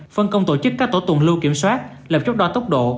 phân công tổ chức các tổ tuần lưu kiểm soát lập chốt đo tốc độ